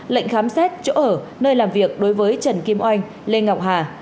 lệnh khám xét chỗ ở nơi làm việc đối với trần kim oanh lê ngọc hà